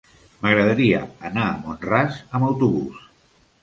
M'agradaria anar a Mont-ras amb autobús.